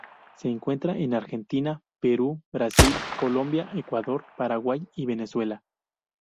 Se encuentra en Argentina, Perú, Brasil, Colombia, Ecuador, Paraguay, y Venezuela.